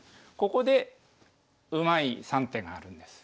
ここでうまい３手があるんです。